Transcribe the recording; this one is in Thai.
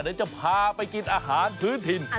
เดี๋ยวจะพาไปกินอาหารพื้นถิ่น